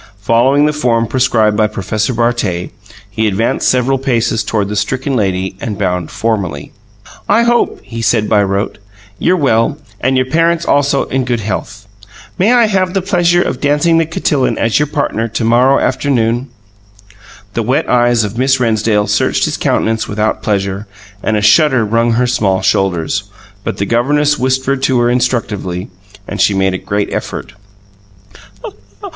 Following the form prescribed by Professor Bartet, he advanced several paces toward the stricken lady and bowed formally. "I hope," he said by rote, "you're well, and your parents also in good health. May I have the pleasure of dancing the cotillon as your partner t' morrow afternoon?" The wet eyes of Miss Rennsdale searched his countenance without pleasure, and a shudder wrung her small shoulders; but the governess whispered to her instructively, and she made a great effort.